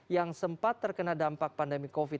yang sempat terkena dampak pandemi covid sembilan belas